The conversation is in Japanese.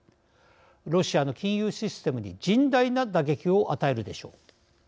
ロシアの金融システムに甚大な打撃を与えるでしょう。